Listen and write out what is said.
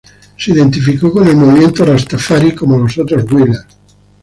Se identificó con el movimiento rastafari, como los otros Wailers.